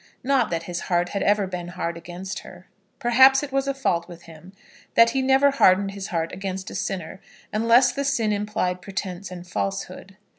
Not that his heart had ever been hard against her. Perhaps it was a fault with him that he never hardened his heart against a sinner, unless the sin implied pretence and falsehood.